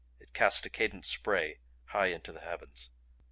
It cast a cadent spray high to the heavens.